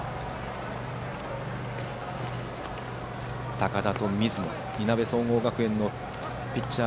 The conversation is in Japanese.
高田と水野いなべ総合学園のピッチャー